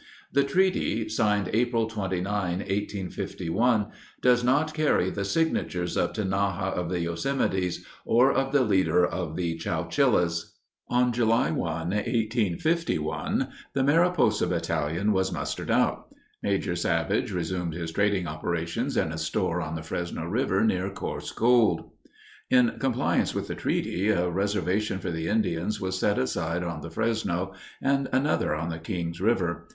The treaty, signed April 29, 1851, does not carry the "signatures" of Tenaya of the Yosemites or of the leader of the Chowchillas. On July 1, 1851, the Mariposa Battalion was mustered out. Major Savage resumed his trading operations in a store on the Fresno River near Coarse Gold. In compliance with the treaty, a reservation for the Indians was set aside on the Fresno, and another on the Kings River.